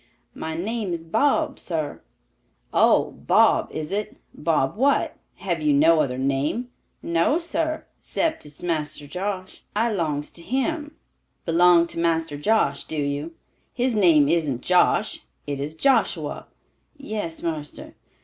"My name is Bob, sar." "Oh, Bob is it? Bob what? Have you no other name?" "No, sar, 'cept it's Marster Josh. I 'longs to him." "Belong to Master Josh, do you? His name isn't Josh, it is Joshua." "Yes, marster."